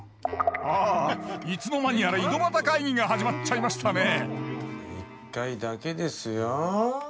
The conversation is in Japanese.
あいつの間にやら井戸端会議が始まっちゃいましたね一回だけですよ。